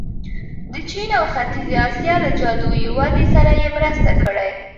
د چین او ختیځې اسیا له جادويي ودې سره یې مرسته کړې.